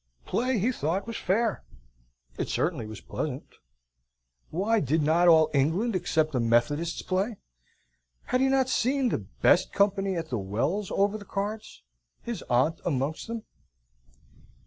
Play, he thought, was fair, it certainly was pleasant. Why, did not all England, except the Methodists, play? Had he not seen the best company at the Wells over the cards his aunt amongst them?